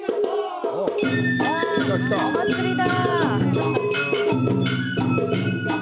お祭りだ。